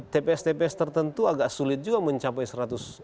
tps tps tertentu agak sulit juga mencapai seratus